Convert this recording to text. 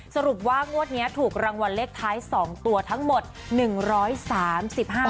สรุปว่างวดนี้ถูกรางวัลเลขท้าย๒ตัวทั้งหมด๑๓๕ใบ